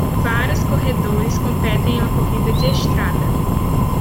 Vários corredores competem em uma corrida de estrada.